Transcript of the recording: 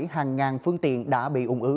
hàng ngàn phương tiện đã bị ủng ứ